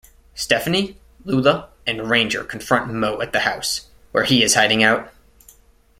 Stephanie, Lula, and Ranger confront Mo at the house, where he is hiding out.